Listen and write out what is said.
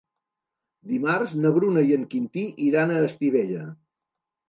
Dimarts na Bruna i en Quintí iran a Estivella.